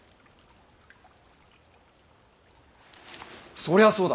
そりゃあそうだ。